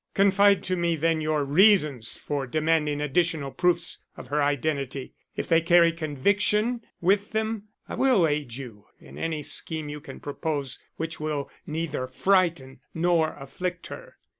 Confide to me then your reasons for demanding additional proofs of her identity. If they carry conviction with them, I will aid you in any scheme you can propose which will neither frighten nor afflict her."